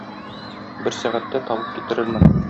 Бер сәгатьтә табып китерермен.